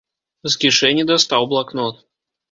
З кішэні дастаў блакнот.